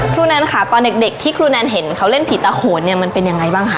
แนนค่ะตอนเด็กที่ครูแนนเห็นเขาเล่นผีตาโขนเนี่ยมันเป็นยังไงบ้างคะ